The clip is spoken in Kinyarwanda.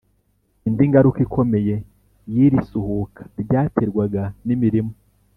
Indi ngaruka ikomeye y iri suhuka ryaterwaga n imirimo